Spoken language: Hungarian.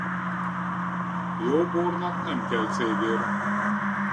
Jó bornak nem kell cégér.